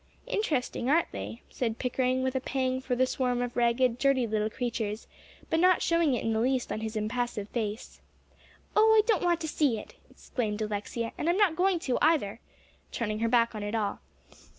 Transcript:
"Interesting, aren't they?" said Pickering, with a pang for the swarm of ragged, dirty little creatures, but not showing it in the least on his impassive face. "Oh, I don't want to see it," exclaimed Alexia, "and I'm not going to either," turning her back on it all.